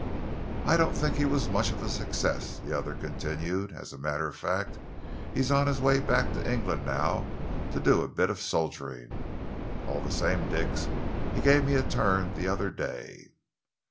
"I don't think he was much of a success," the other continued, "and as a matter of fact he is on his way back to England now to do his bit of soldiering. All the same, Dix, he gave me a turn the other day."